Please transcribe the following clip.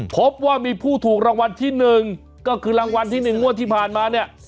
พบว่ามีผู้ถูกรางวัลที่๑ก็คือรางวัลที่๑งวดที่ผ่านมาเนี่ย